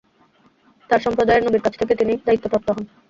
তাঁর সম্প্রদায়ের নবীর কাছ থেকে তিনি দায়িত্বপ্রাপ্ত হন।